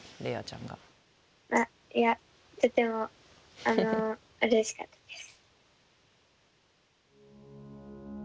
あっいやとてもうれしかったです。